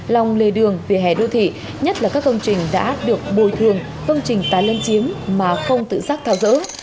lòng lề đường vỉa hè đô thị nhất là các công trình đã được bồi thường công trình tái lấn chiếm mà không tự giác thao dỡ